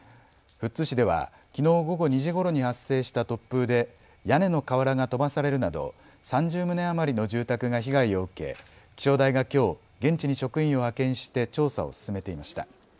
富津市ではきのう午後２時ごろに発生した突風で屋根の瓦が飛ばされるなど３０棟余りの住宅が被害を受け気象台がきょう現地に職員を派遣して調査を進めていました。